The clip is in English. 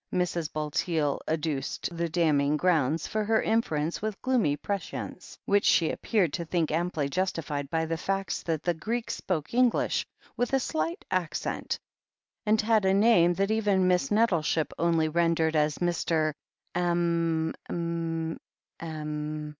Mrs. Bulteel adduced the damning grounds for her in ference with gloomy prescience, which she appeared to think amply justified by the facts that the Greek spoke English with a slight accent, and had a name that even Miss Nettleship only rendered as Mr. M •.. m ..• m.